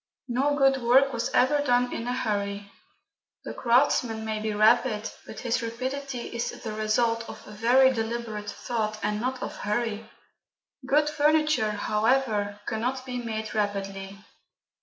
No good work was ever done in a hurry: the craftsman may be rapid, but his rapidity is the result of very deliberate thought, and not of hurry. Good furniture, however, cannot be made rapidly.